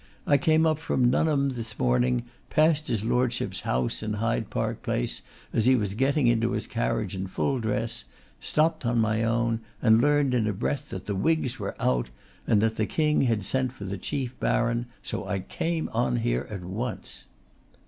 I came up from Nuneham this morning, passed his Lordship's house in Hyde Park Place as he was getting into his carriage in full dress, stopped my own, and learned in a breath that the Whigs were out, and that the King had sent for the Chief Baron. So I came on here at once.